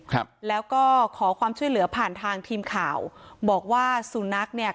ครับแล้วก็ขอความช่วยเหลือผ่านทางทีมข่าวบอกว่าสุนัขเนี่ย